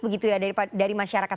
begitu ya dari masyarakat